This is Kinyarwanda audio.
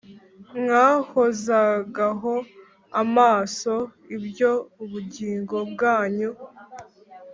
Mwahozagaho amaso ibyo ubugingo bwanyu